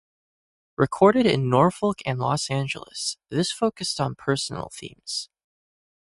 Recorded in Norfolk and Los Angeles, this focused on personal themes.